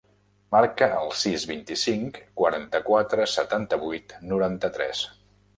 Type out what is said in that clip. Marca el sis, vint-i-cinc, quaranta-quatre, setanta-vuit, noranta-tres.